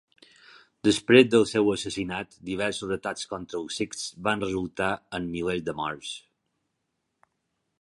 Després del seu assassinat, diversos atacs contra els sikhs van resultar en milers de morts.